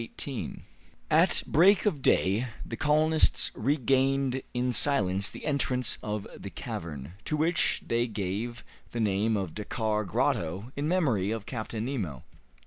Chapter 18 At break of day the colonists regained in silence the entrance of the cavern, to which they gave the name of "Dakkar Grotto," in memory of Captain Nemo.